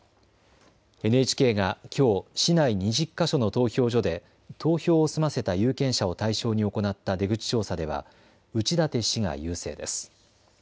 ＮＨＫがきょう市内２０か所の投票所で投票を済ませた有権者を対象に行った出口調査では内舘氏が優勢です。